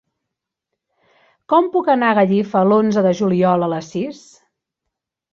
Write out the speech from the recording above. Com puc anar a Gallifa l'onze de juliol a les sis?